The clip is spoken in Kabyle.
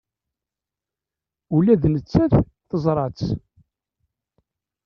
Ula d nettat teẓra-tt.